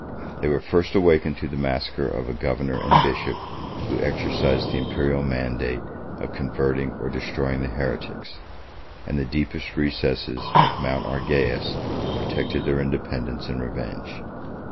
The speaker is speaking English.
17 They were first awakened to the massacre of a governor and bishop, who exercised the Imperial mandate of converting or destroying the heretics; and the deepest recesses of Mount Argaeus protected their independence and revenge.